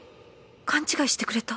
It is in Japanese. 勘違いしてくれた